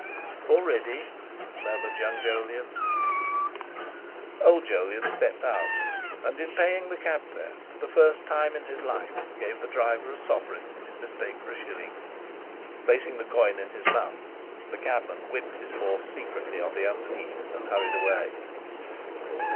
"Already?" murmured young Jolyon'. Old Jolyon stepped out, and, in paying the cab fare, for the first time in his life gave the driver a sovereign in mistake for a shilling. Placing the coin in his mouth, the cabman whipped his horse secretly on the underneath and hurried away.